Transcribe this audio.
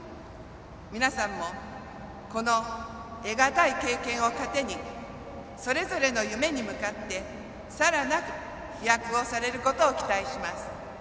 皆さんもこの得がたい経験を糧にそれぞれの夢に向かってさらなる飛躍をされることを期待します。